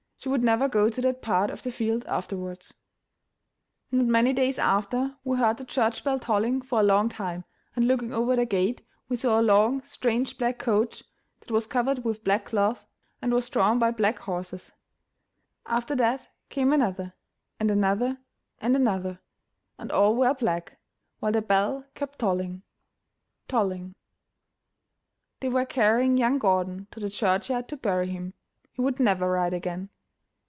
She never would go to that part of the field afterwards. Not many days after, we heard the church bell tolling for a long time, and looking over the gate, we saw a long strange black coach that was covered with black cloth and was drawn by black horses; after that came another and another and another, and all were black, while the bell kept tolling, tolling. They were carrying young Gordon to the church yard to bury him. He would never ride again.